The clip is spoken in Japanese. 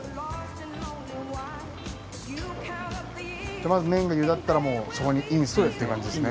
じゃあまず麺が茹だったらもうそこにインするって感じですね。